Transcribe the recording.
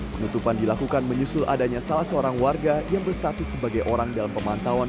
penutupan dilakukan menyusul adanya salah seorang warga yang berstatus sebagai orang dalam pemantauan